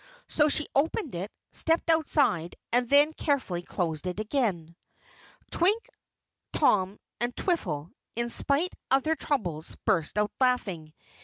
So, she opened it, stepped outside, and then carefully closed it again. Twink, Tom, and Twiffle, in spite of their troubles, burst out laughing.